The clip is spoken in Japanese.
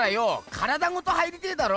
体ごと入りてえだろ。